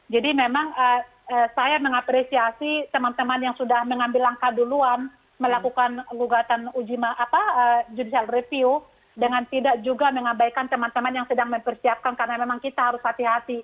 jadi saya mengapresiasi teman teman yang sudah mengambil langkah duluan melakukan gugatan judicial review dengan tidak juga mengabaikan teman teman yang sedang mempersiapkan karena memang kita harus hati hati